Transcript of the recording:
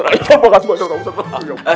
makasih banyak pak ustadz